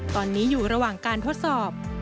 ตอนนี้อยู่ระหว่างการทดสอบ